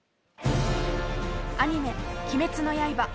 アニメ「鬼滅の刃」。